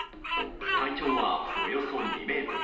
体長は、およそ２ｍ。